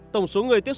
tổng số người tiết lập